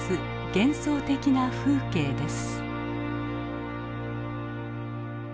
幻想的な風景です。